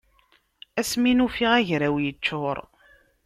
Ass mi n-ufiɣ agraw yeččur.